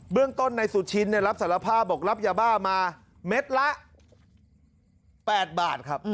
เรื่องต้นนายสุชินรับสารภาพบอกรับยาบ้ามาเม็ดละ๘บาทครับ